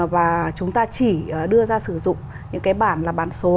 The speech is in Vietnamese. và chúng ta chỉ đưa ra sử dụng những cái bản là bản số